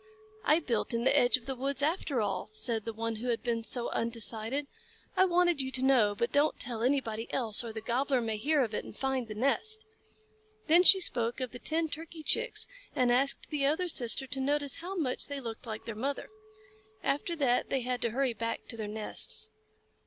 "I built in the edge of the woods after all," said the one who had been so undecided. "I wanted you to know, but don't tell anybody else, or the Gobbler may hear of it and find the nest." Then she spoke of the ten Turkey Chicks and asked the other sister to notice how much they looked like their mother. After that they had to hurry back to their nests.